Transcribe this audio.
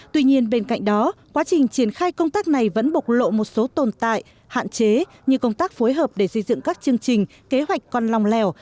tuy nhiên bên cạnh đó quá trình triển khai công tác này vẫn bộc lộ một số tồn tại hạn chế như công tác phối hợp để xây dựng các chương trình kế hoạch còn lòng lèo